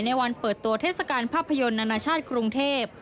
วันเปิดตัวเทศกาลภาพยนตร์นานาชาติกรุงเทพ